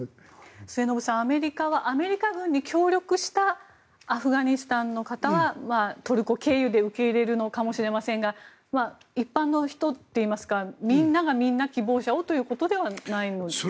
末延さん、アメリカはアメリカ軍に協力したアフガニスタンの方はトルコ経由で受け入れるのかもしれませんが一般の人といいますかみんながみんな希望者をということではないんでしょうか。